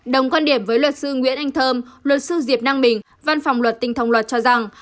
đồng quan điểm với luật sư nguyễn anh thơm luật sư diệp năng bình văn phòng luật tình thống luật cho rằng